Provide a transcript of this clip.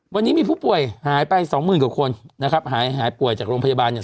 วันนี้มีผู้ป่วยหายไปสองหมื่นกว่าคนนะครับหายหายป่วยจากโรงพยาบาลเนี่ย